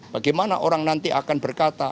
bagaimana orang nanti akan berkata